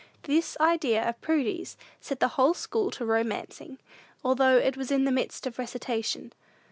This idea of Prudy's set the whole school to romancing, although it was in the midst of a recitation.